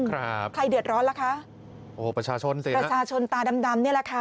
ใครเดือดร้อนล่ะคะโอ้ประชาชนสิประชาชนตาดำดำนี่แหละค่ะ